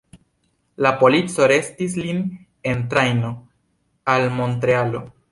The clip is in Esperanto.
La polico arestis lin en trajno al Montrealo.